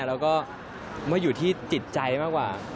แล้วก็มาอยู่ที่จิตใจมากกว่า